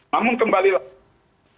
namun kembali lagi